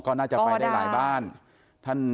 ก็น่าจะไปได้หลายบ้าน